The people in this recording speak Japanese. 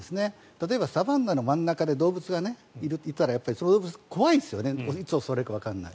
例えばサバンナの真ん中で動物がいたらその動物は怖いですよねいつ襲われるかわからない。